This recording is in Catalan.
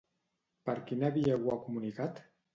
Per quina via ho ha comunicat?